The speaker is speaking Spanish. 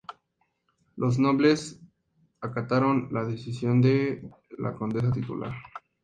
Los nobles acataron la decisión de la condesa titular.